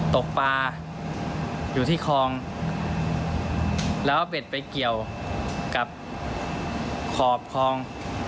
ตกปลาอยู่ที่คลองแล้วเบ็ดไปเกี่ยวกับขอบคลอง